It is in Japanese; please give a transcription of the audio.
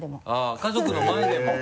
あっ家族の前でも？